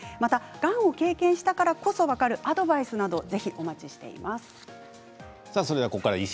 がんを経験したからこそ分かるアドバイスなどをぜひお待ちしています。